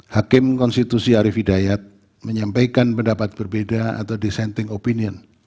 hakim konstitusi arief hidayat menyampaikan pendapat berbeda atau dissenting opinion